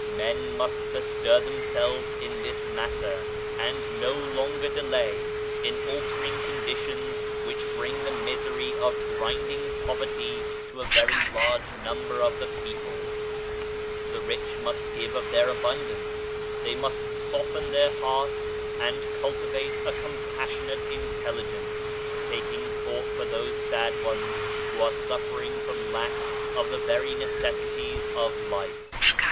Men must bestir themselves in this matter, and no " Give me neither poverty nor riches." Prov. xxx., 8. EQUALITY OF MEN 143 longer delay in altering conditions which bring the misery of grinding poverty to a very large number of the people. The rich must give of their abundance, they must soften their hearts and cultivate a compassionate intelligence, taking thought for those sad ones who are suffering from lack of the very necessities of life.